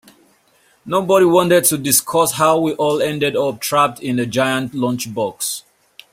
Nobody wanted to discuss how we all ended up trapped in a giant lunchbox.